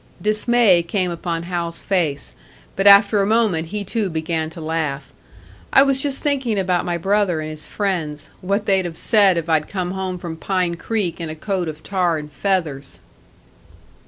Dismay came upon Hal's face; but after a moment he too began to laugh. "I was just thinking about my brother and his friends what they'd have said if I'd come home from Pine Creek in a coat of tar and feathers!"